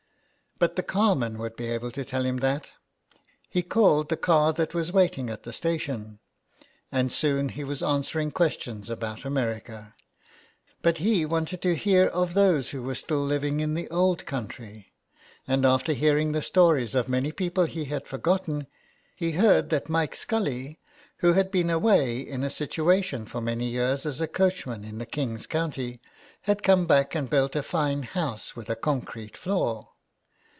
But the carman would be able to tell him that ; he called the car that was waiting at the station, and soon he was answering questions about America. But he wanted to hear of those who were still living in the old country, and after hearing the stories of many people he had forgotten, he heard that Mike Scully, who had been away in a situation for many years as a coachman in the King's County, had come back and built a fine IS6 HOME SICKNESS. house with a concrete floor.